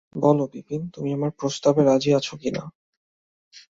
বলো বিপিন, তুমি আমার প্রস্তাবে রাজি আছ কি না?